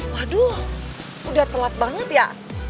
waduh udah telat banget ya